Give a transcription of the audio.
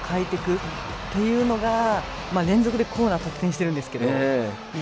この１本でゲームを変えていくっていうのが連続でコーナー得点しているんですけど。